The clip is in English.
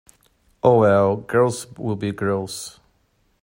Oh, well, girls will be girls.